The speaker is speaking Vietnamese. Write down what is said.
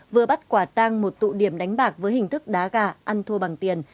vừa bắt quả tang một tụ điểm đánh bạc với hình thức đá gà ăn thua bằng tiền